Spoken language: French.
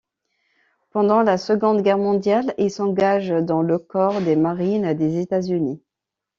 Pendant la Seconde Guerre mondiale, il s'engage dans le Corps des Marines des États-Unis.